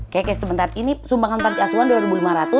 oke sebentar ini sumbangan panti asuhan rp dua lima ratus